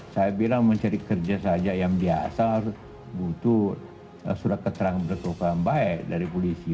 saya bilang mencari kerja saja yang biasa harus butuh surat keterangan berkeluargaan baik dari polisi